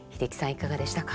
いかがでしたか？